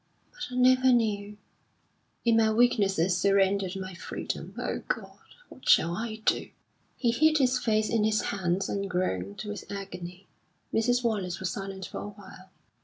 But I never knew. In my weakness I surrendered my freedom. O God! what shall I do?" He hid his face in his hands and groaned with agony. Mrs. Wallace was silent for a while.